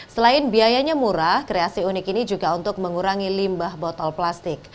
selain biayanya murah kreasi unik ini juga untuk mengurangi limbah botol plastik